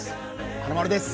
華丸です。